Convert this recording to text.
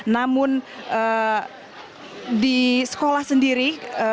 namun di sekolah sendiri